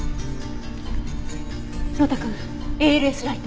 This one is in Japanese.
呂太くんＡＬＳライト。